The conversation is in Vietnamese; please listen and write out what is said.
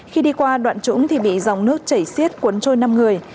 khi đi qua đoạn trũng thì bị dòng nước chảy xiết cuốn trôi năm người